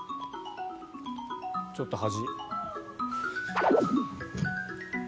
ちょっと端。